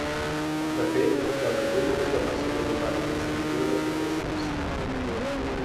De fet, la d’avui és la tercera jornada consecutiva de protestes.